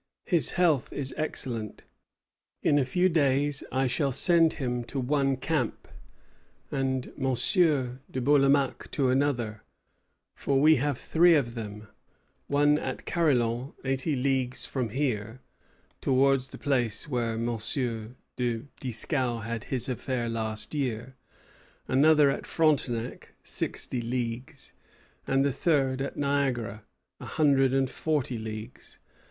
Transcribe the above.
His health is excellent. In a few days I shall send him to one camp, and M. de Bourlamaque to another; for we have three of them: one at Carillon, eighty leagues from here, towards the place where M. de Dieskau had his affair last year; another at Frontenac, sixty leagues; and the third at Niagara, a hundred and forty leagues.